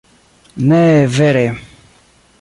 Ne vere...